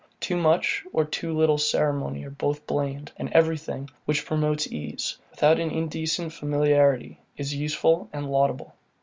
Too much or too little ceremony are both blamed, and everything, which promotes ease, without an indecent familiarity, is useful and laudable.